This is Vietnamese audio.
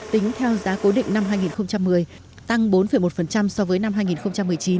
tính theo giá cố định năm hai nghìn một mươi tăng bốn một so với năm hai nghìn một mươi chín